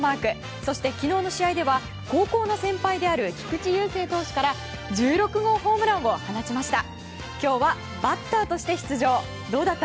そして、昨日の試合では高校の先輩である菊池雄星投手から１６号ホームランを放ちました。